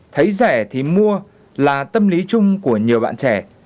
thấy rẻ thì mua là tâm lý chung của nhiều bạn trẻ